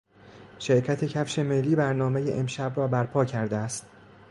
شرکت کفش ملی برنامهی امشب را برپا کرده است.